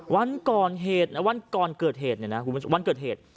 วันก่อนเกิดเหตุเนี่ยนะวันเกิดเหตุ